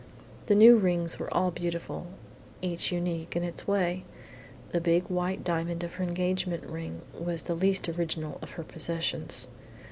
The new rings were all beautiful, each unique in its way. The big white diamond of her engagement ring was the least original of her possessions.